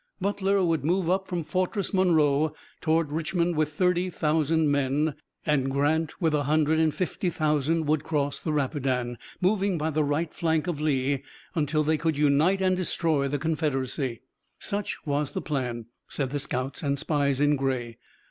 Butler would move up from Fortress Monroe toward Richmond with thirty thousand men and Grant with a hundred and fifty thousand would cross the Rapidan, moving by the right flank of Lee until they could unite and destroy the Confederacy. Such was the plan, said the scouts and spies in gray.